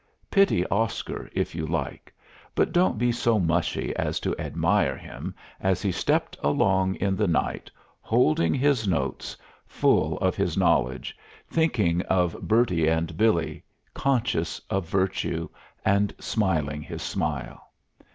Pity Oscar, if you like; but don't be so mushy as to admire him as he stepped along in the night, holding his notes, full of his knowledge, thinking of Bertie and Billy, conscious of virtue, and smiling his smile.